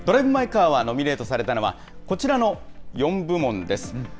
ドライブ・マイ・カーがノミネートされたのは、こちらの４部門です。